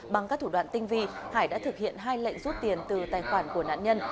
bằng các thủ đoạn tinh vi hải đã thực hiện hai lệnh rút tiền từ tài khoản của nạn nhân